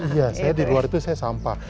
iya saya di luar itu saya sampah